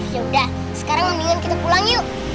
yaudah sekarang mendingan kita pulang yuk